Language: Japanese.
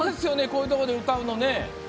こういうところで歌うの。